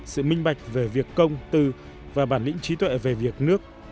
sự minh bạch về việc công tư và bản lĩnh trí tuệ về việc nước